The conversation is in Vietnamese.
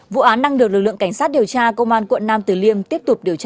vụ án đang được lực lượng cảnh sát điều tra công an quận nam tử liêm tiếp tục điều tra